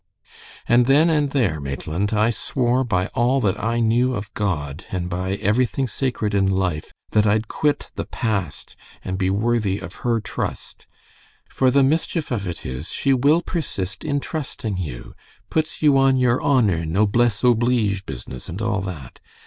"And then and there, Maitland, I swore by all that I knew of God, and by everything sacred in life, that I'd quit the past and be worthy of her trust; for the mischief of it is, she will persist in trusting you, puts you on your honor noblesse oblige business, and all that.